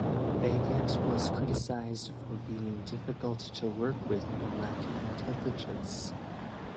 Baggett was criticised for being difficult to work with and lacking intelligence.